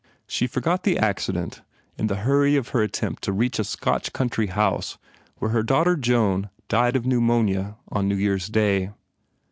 She forgot the ac cident in the hurry of her attempt to reach a Scotch country house where her daughter Joan died of pneumonia on New Year s Day.